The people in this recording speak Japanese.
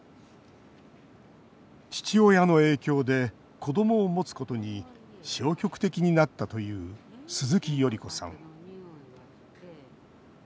父親の影響で子どもを持つことに消極的になったという鈴木頼子さん。